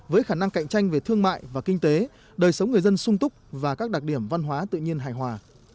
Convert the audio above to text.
với khả năng cạnh tranh về thương mại và kinh tế đời sống người dân sung túc và các đặc điểm văn hóa tự nhiên hài hòa